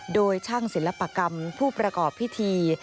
โดยช่างศิลปกรรมผู้ประกอบพิธี